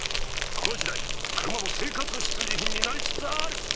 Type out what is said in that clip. この時代・・・クルマも生活必需品になりつつある！